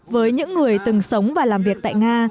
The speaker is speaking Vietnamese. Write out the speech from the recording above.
với những người từng sống và làm việc tại nga